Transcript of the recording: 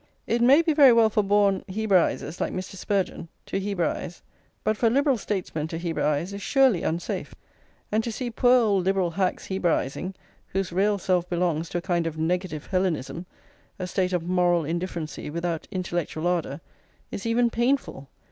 If may be very well for born Hebraisers, like Mr. Spurgeon, to Hebraise; but for Liberal statesmen to Hebraise is surely unsafe, and to see poor old Liberal hacks Hebraising, whose real self belongs to a kind of negative Hellenism, a state of moral indifferency without intellectual ardour, is even painful.